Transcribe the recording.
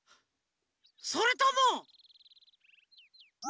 それとも。